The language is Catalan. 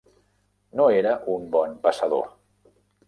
No era un bon passador.